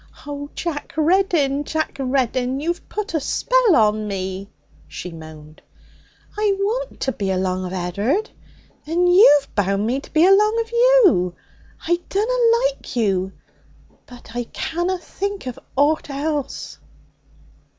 'Oh, Jack Reddin! Jack Reddin! You've put a spell on me!' she moaned. 'I want to be along of Ed'ard, and you've bound me to be along of you. I dunna like you, but I canna think of ought else!'